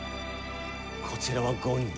こちらは５人。